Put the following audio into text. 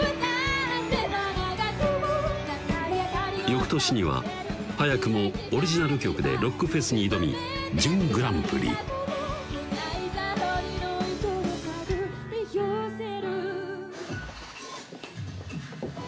翌年には早くもオリジナル曲でロックフェスに挑み準グランプリ「頼りの糸をたぐりよせる」